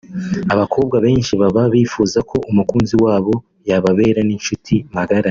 Abakobwa benshi baba bifuza ko umukunzi wabo yababera n’inshuti magara